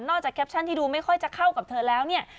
แคปชั่นที่ดูไม่ค่อยจะเข้ากับเธอแล้วเนี่ย